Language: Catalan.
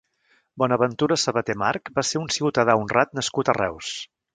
Bonaventura Sabater March va ser un ciutadà honrat nascut a Reus.